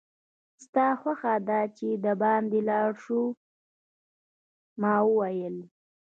ستا خوښه ده چې دباندې ولاړ شم؟ ما وویل.